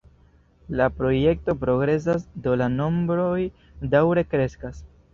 La projekto progresas, do la nombroj daŭre kreskas.